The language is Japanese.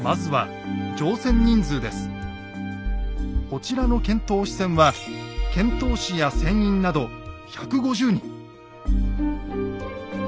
こちらの遣唐使船は遣唐使や船員など１５０人。